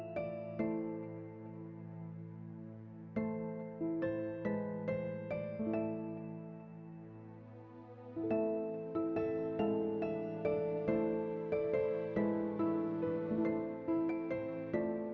terus yang jadi sumber motivasi dalam hidup anak kita